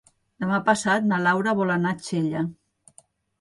Demà passat na Laura vol anar a Xella.